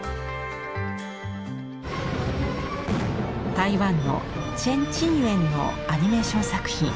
台湾のチェン・チンユェンのアニメーション作品。